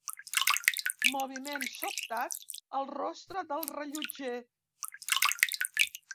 Moviment sobtat al rostre del rellotger.